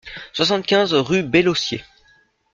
soixante-quinze rue Bellocier